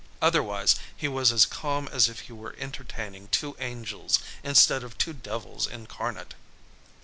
Otherwise he was as calm as if he were entertaining two angels instead of two devils incarnate.